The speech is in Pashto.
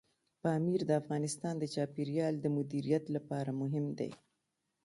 پامیر د افغانستان د چاپیریال د مدیریت لپاره مهم دی.